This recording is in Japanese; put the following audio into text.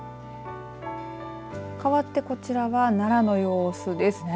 かわってこちらは奈良の様子です。